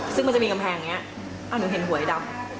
ซึ่งมันจะมีกำแพงอย่างนี้หนูเห็นหวยดำ